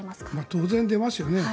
当然出ますよね。